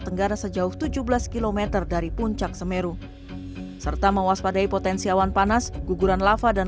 tenggara sejauh tujuh belas km dari puncak semeru serta mewaspadai potensi awan panas guguran lava dan